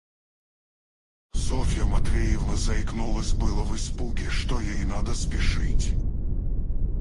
Софья Матвеевна заикнулась было в испуге, что ей надо спешить.